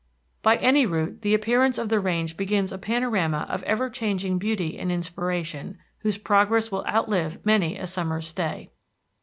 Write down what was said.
By any route the appearance of the range begins a panorama of ever changing beauty and inspiration, whose progress will outlive many a summer's stay.